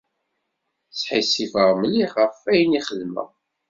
Sḥissifeɣ mliḥ ɣef wayen i xedmeɣ.